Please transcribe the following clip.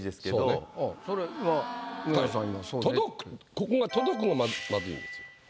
ここが「届く」がまずいんですよ。